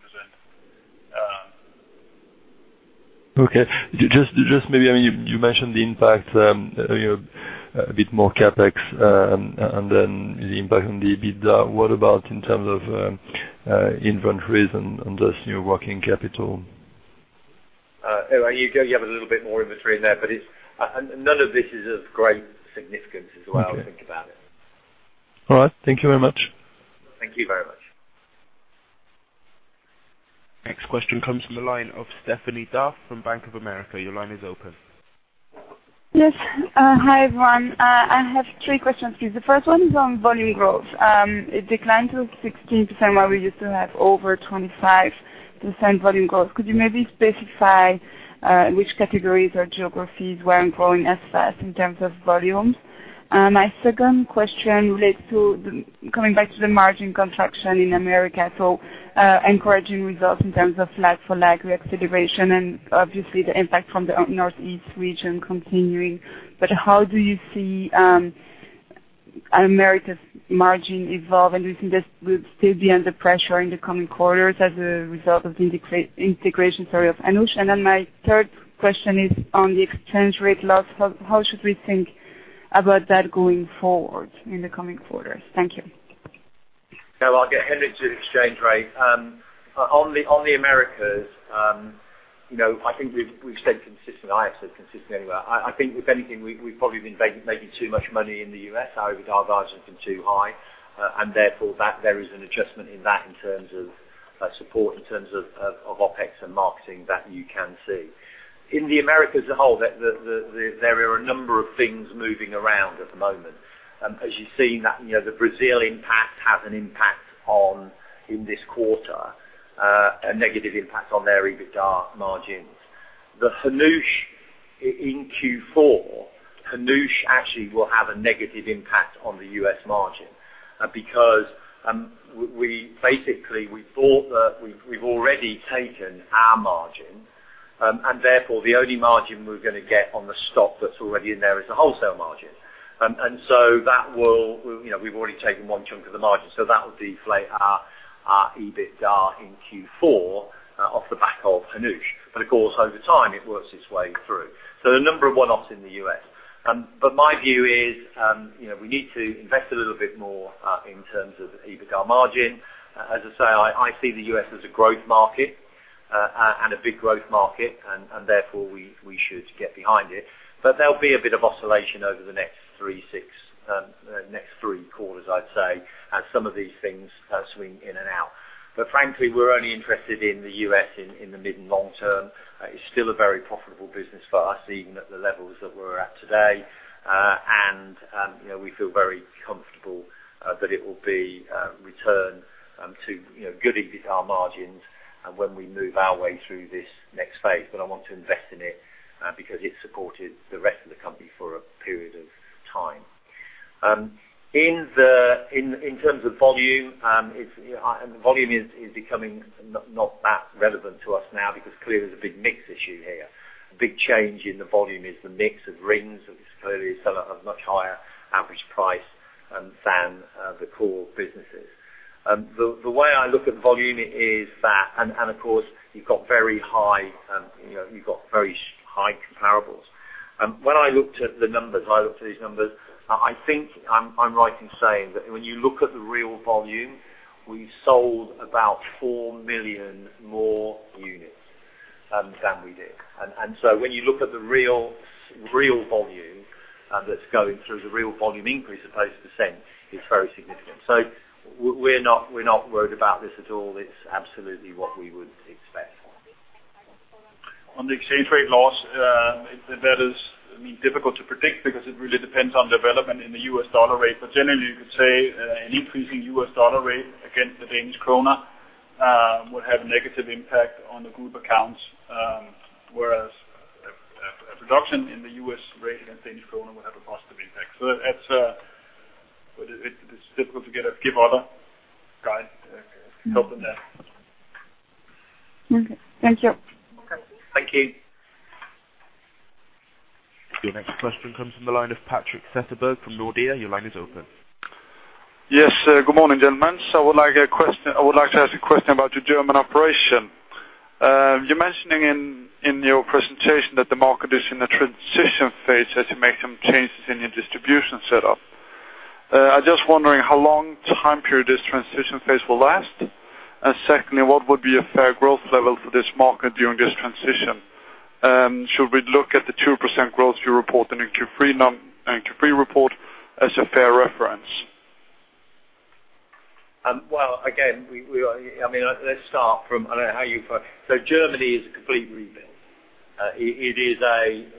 Okay. Just maybe, I mean, you mentioned the impact, you know, a bit more CapEx, and then the impact on the EBITDA. What about in terms of, inventories and just, you know, working capital? You have a little bit more inventory in there, but it's... None of this is of great significance as the way- Okay. I think about it. All right. Thank you very much. Thank you very much. Next question comes from the line of Stephanie D'Ath from Bank of America. Your line is open. Yes. Hi, everyone. I have three questions for you. The first one is on volume growth. It declined to 16%, while we used to have over 25% volume growth. Could you maybe specify which categories or geographies weren't growing as fast in terms of volumes? My second question relates to coming back to the margin contraction in Americas, so, encouraging results in terms of like-for-like reacceleration, and obviously the impact from the Northeast region continuing. But how do you see Americas's margin evolve, and do you think this will still be under pressure in the coming quarters as a result of the integration, sorry, of Hannoush? And then my third question is on the exchange rate loss. How should we think about that going forward in the coming quarters? Thank you. So I'll get Henrik to the exchange rate. On the Americas, you know, I think we've stayed consistent. I have stayed consistent anyway. I think with anything, we've probably been making too much money in the US. Our EBITDA margins have been too high, and therefore, that there is an adjustment in that in terms of support, in terms of OpEx and marketing that you can see. In the Americas as a whole, there are a number of things moving around at the moment. As you've seen, you know, the Brazil impact has an impact on, in this quarter, a negative impact on their EBITDA margins. The Hannoush in Q4, Hannoush actually will have a negative impact on the US margin, because we basically thought that we've already taken our margin, and therefore, the only margin we're gonna get on the stock that's already in there is the wholesale margin. And so that will, you know, we've already taken one chunk of the margin, so that will deflate our EBITDA in Q4 off the back of Hannoush. But of course, over time, it works its way through. So a number of one-offs in the US. But my view is, you know, we need to invest a little bit more in terms of EBITDA margin. As I say, I see the US as a growth market, and a big growth market, and therefore, we should get behind it. But there'll be a bit of oscillation over the next 3, 6, next 3 quarters, I'd say, as some of these things swing in and out. But frankly, we're only interested in the US in, in the mid- and long term. It's still a very profitable business for us, even at the levels that we're at today. And, you know, we feel very comfortable that it will be returned to, you know, good EBITDA margins, and when we move our way through this next phase. But I want to invest in it because it supported the rest of the company for a period of time. In the, in, in terms of volume, it's... and volume is becoming not that relevant to us now because clearly, there's a big mix issue here. A big change in the volume is the mix of rings, which clearly sell at a much higher average price than the core businesses. The way I look at volume is that... And of course, you've got very high, you know, you've got very high comparables. When I looked at the numbers, I looked at these numbers, I think I'm right in saying that when you look at the real volume, we sold about 4 million more units than we did. And so when you look at the real, real volume, that's going through the real volume increase as opposed to percent, it's very significant. So we're not, we're not worried about this at all. It's absolutely what we would expect. On the exchange rate loss, that is, I mean, difficult to predict because it really depends on development in the US dollar rate. But generally, you could say, an increasing US dollar rate against the Danish kroner would have negative impact on the group accounts, whereas a reduction in the US rate against Danish kroner would have a positive impact. So that's, but it, it's difficult to give other guide to help them there. Okay. Thank you. Okay. Thank you. Your next question comes from the line of Patrik Setterberg from Nordea. Your line is open. Yes, good morning, gentlemen. I would like to ask a question about the German operation. You're mentioning in your presentation that the market is in a transition phase as you make some changes in your distribution setup. ... I'm just wondering how long time period this transition phase will last? And secondly, what would be a fair growth level for this market during this transition? Should we look at the 2% growth you reported in Q3 in Q3 report as a fair reference? Well, again, I mean, let's start from, I don't know how you put it. So Germany is a complete rebuild. It is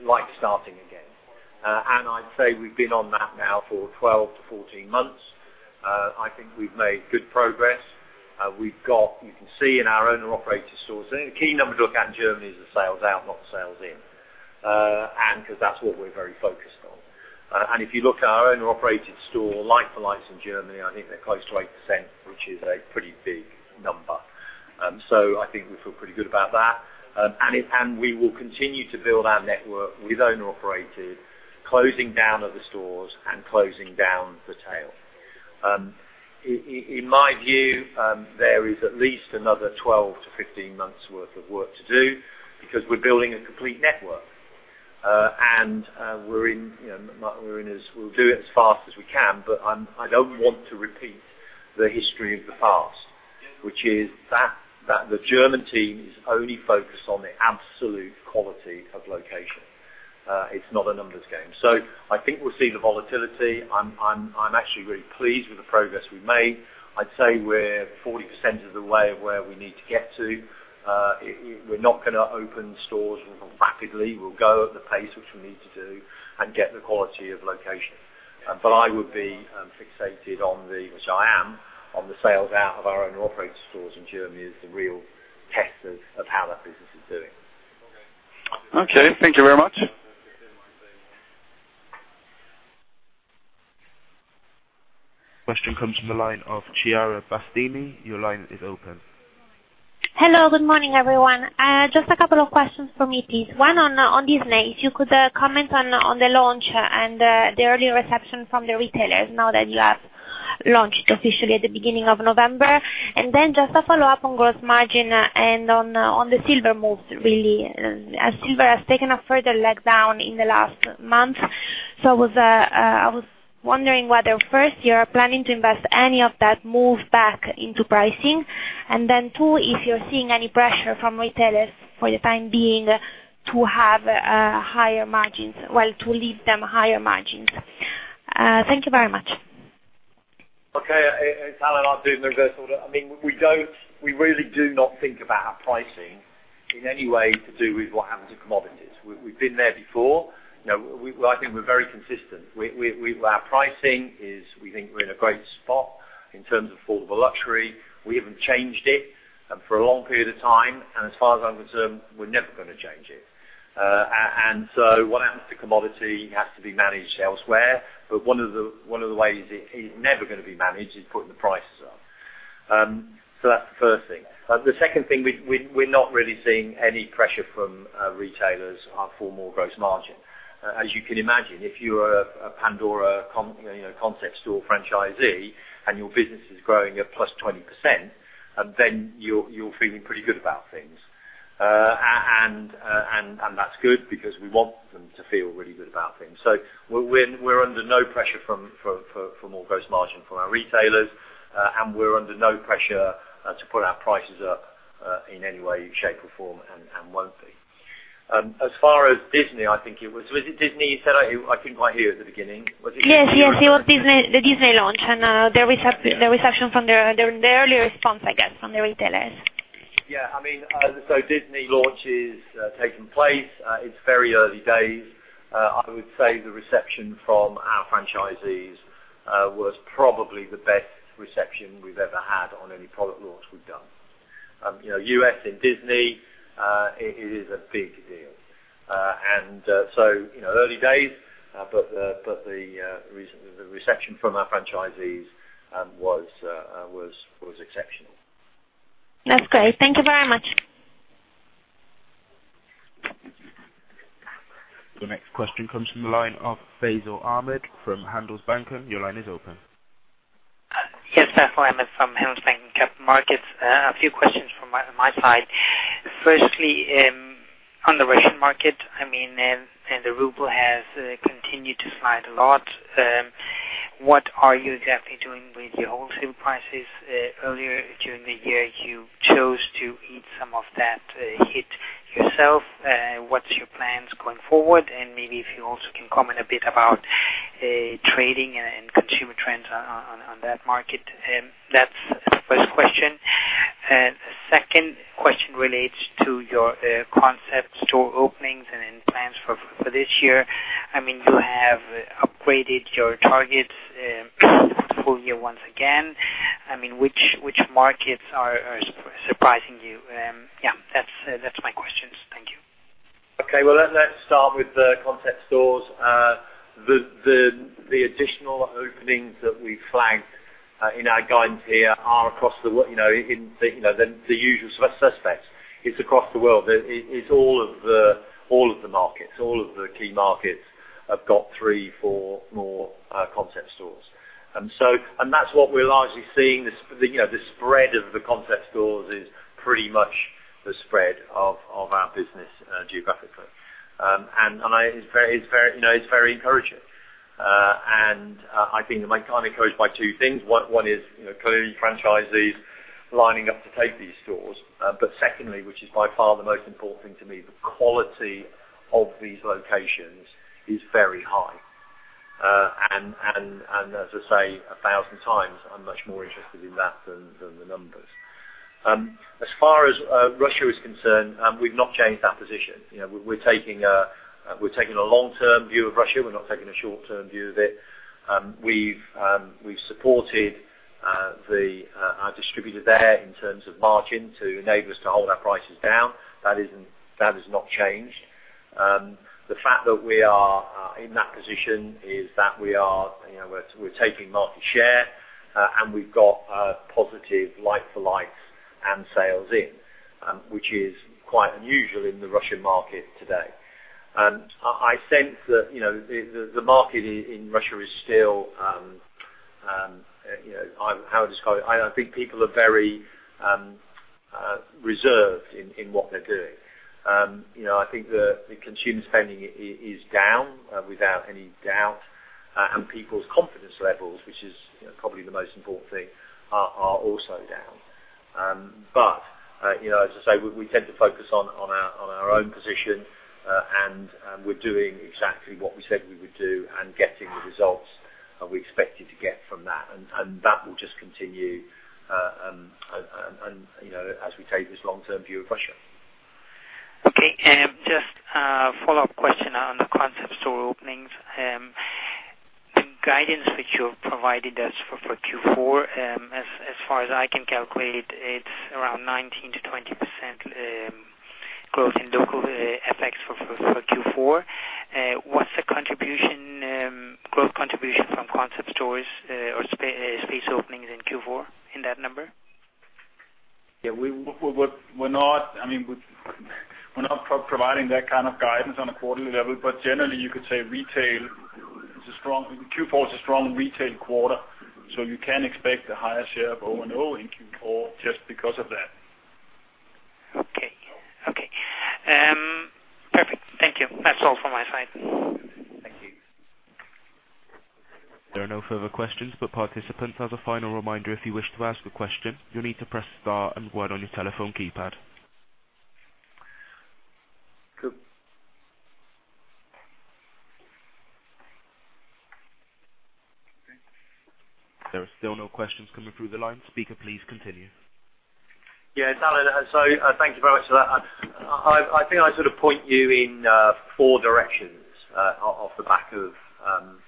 like starting again. And I'd say we've been on that now for 12-14 months. I think we've made good progress. We've got... You can see in our owned and operated stores, the key number to look at in Germany is the sales out, not the sales in, and because that's what we're very focused on. And if you look at our owned and operated store, like-for-like in Germany, I think they're close to 8%, which is a pretty big number. So I think we feel pretty good about that. And we will continue to build our network with owned and operated, closing down other stores and closing down the tail. In my view, there is at least another 12-15 months worth of work to do because we're building a complete network. We're in, you know, we'll do it as fast as we can, but I don't want to repeat the history of the past, which is that the German team is only focused on the absolute quality of location. It's not a numbers game. So I think we'll see the volatility. I'm actually really pleased with the progress we've made. I'd say we're 40% of the way where we need to get to. We're not gonna open stores rapidly. We'll go at the pace which we need to do and get the quality of location. But I would be fixated on the, which I am, on the sales out of our owned and operated stores in Germany, is the real test of how that business is doing. Okay. Thank you very much. Question comes from the line of Chiara Battistini. Your line is open. Hello, good morning, everyone. Just a couple of questions for me, please. One, on Disney, if you could comment on the launch and the early reception from the retailers now that you have launched officially at the beginning of November. And then just a follow-up on gross margin and on the silver move, really, as silver has taken a further leg down in the last month. So I was wondering whether, first, you are planning to invest any of that move back into pricing. And then, two, if you're seeing any pressure from retailers for the time being, to have higher margins, well, to leave them higher margins? Thank you very much. Okay, Chiara, I'll do it in the reverse order. I mean, we don't... We really do not think about our pricing in any way to do with what happens to commodities. We've been there before. You know, I think we're very consistent. Our pricing is, we think we're in a great spot in terms of affordable luxury. We haven't changed it for a long period of time, and as far as I'm concerned, we're never gonna change it. And so what happens to commodity has to be managed elsewhere, but one of the ways it never gonna be managed is putting the prices up. So that's the first thing. The second thing, we're not really seeing any pressure from retailers for more gross margin. As you can imagine, if you're a Pandora concept store franchisee, and your business is growing at +20%, then you're feeling pretty good about things. And that's good because we want them to feel really good about things. So we're under no pressure from more gross margin from our retailers, and we're under no pressure to put our prices up in any way, shape, or form, and won't be. As far as Disney, I think it was, was it Disney you said? I couldn't quite hear at the beginning. Was it Disney? Yes, yes, it was Disney. The Disney launch, and the recep- Yeah. the reception from the early response, I guess, from the retailers. Yeah, I mean, so Disney launch is taking place. It's very early days. I would say the reception from our franchisees was probably the best reception we've ever had on any product launch we've done. You know, US and Disney, it is a big deal. And so, you know, early days, but the reception from our franchisees was exceptional. That's great. Thank you very much. The next question comes from the line of Faisal Ahmad from Handelsbanken. Your line is open. Yes, Faisal Ahmad from Handelsbanken Capital Markets. A few questions from my side. Firstly, on the Russian market, I mean, and the ruble has continued to slide a lot. What are you exactly doing with your wholesale prices? Earlier during the year, you chose to eat some of that hit yourself. What's your plans going forward? And maybe if you also can comment a bit about trading and consumer trends on that market. That's the first question. The second question relates to your concept store openings and plans for this year. I mean, you have upgraded your targets for full year once again. I mean, which markets are surprising you? Yeah, that's my questions. Thank you. Okay, well, let's start with Concept stores. the additional openings that we flagged in our guidance here are across the world, you know, the usual suspects. It's across the world. It's all of the key markets have got three, four Concept stores. and that's what we're largely seeing, you know, the spread of Concept stores is pretty much the spread of our business geographically. And it's very, you know, it's very encouraging. And I think I'm encouraged by two things. One is, you know, clearly franchisees lining up to take these stores. But secondly, which is by far the most important thing to me, the quality of these locations is very high. As I say a thousand times, I'm much more interested in that than the numbers. As far as Russia is concerned, we've not changed our position. You know, we're taking a long-term view of Russia. We're not taking a short-term view of it. We've supported our distributor there in terms of margin to enable us to hold our prices down. That has not changed. The fact that we are in that position is that we are, you know, we're taking market share, and we've got a positive like-for-like sell-in, which is quite unusual in the Russian market today. I sense that, you know, the market in Russia is still, you know, I... How I describe it? I think people are very reserved in what they're doing. You know, I think the consumer spending is down without any doubt, and people's confidence levels, which is, you know, probably the most important thing, are also down. But you know, as I say, we tend to focus on our own position, and we're doing exactly what we said we would do and getting the results we expected to get from that. That will just continue, and you know, as we take this long-term view of Russia. Okay, just a follow-up question on the concept store openings. The guidance which you have provided us for Q4, as far as I can calculate, it's around 19%-20% growth in local FX for Q4. What's the contribution, growth contribution Concept stores, or space openings in Q4 in that number? Yeah, I mean, we're not providing that kind of guidance on a quarterly level, but generally, you could say retail is a strong, Q4 is a strong retail quarter, so you can expect a higher share of O&O in Q4 just because of that. Okay. Okay. Perfect. Thank you. That's all from my side. Thank you. There are no further questions, but participants, as a final reminder, if you wish to ask a question, you'll need to press star and one on your telephone keypad. Good. There are still no questions coming through the line. Speaker, please continue. Yeah, so, thank you very much for that. I think I sort of point you in four directions off the back of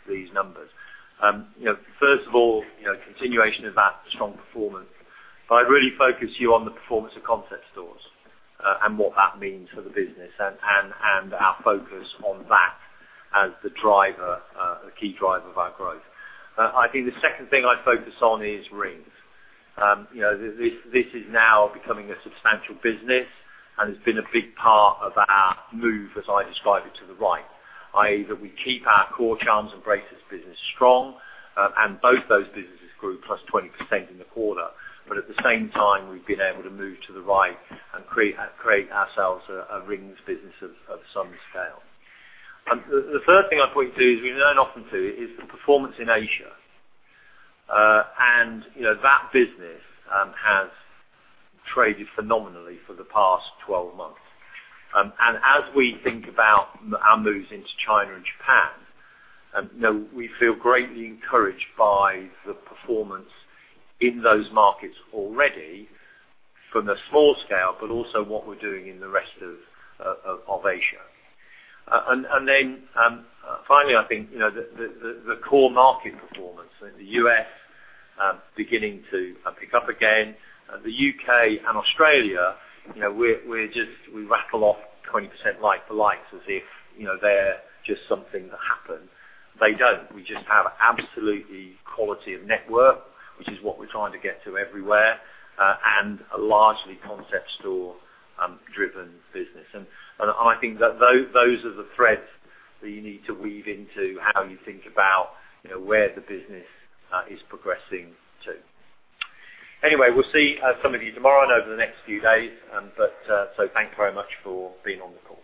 these numbers. You know, first of all, you know, continuation of that strong performance, but I'd really focus you on the performance Concept stores and what that means for the business and our focus on that as the driver, a key driver of our growth. I think the second thing I'd focus on is rings. You know, this is now becoming a substantial business and has been a big part of our move, as I describe it, to the right, i.e., that we keep our core charms and bracelets business strong, and both those businesses grew +20% in the quarter. But at the same time, we've been able to move to the right and create ourselves a rings business of some scale. The third thing I'd point to, as we've known often to, is the performance in Asia. And, you know, that business has traded phenomenally for the past 12 months. And as we think about our moves into China and Japan, you know, we feel greatly encouraged by the performance in those markets already from a small scale, but also what we're doing in the rest of Asia. And then, finally, I think, you know, the core market performance in the US, beginning to pick up again. The UK and Australia, you know, we're just we rattle off 20% like-for-like, as if, you know, they're just something that happened. They don't. We just have absolutely quality of network, which is what we're trying to get to everywhere, and a largely concept store driven business. And I think that those are the threads that you need to weave into how you think about, you know, where the business is progressing to. Anyway, we'll see some of you tomorrow and over the next few days, but thank you very much for being on the call.